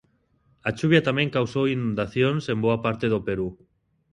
A chuvia tamén causou inundacións en boa parte do Perú.